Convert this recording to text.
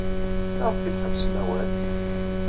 Maɣef ay tḥebsem awal?